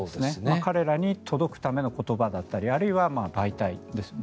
彼らに届くための言葉だったりあるいは媒体ですね。